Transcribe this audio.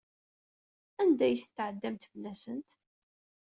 Anda ay tetɛeddamt fell-asent?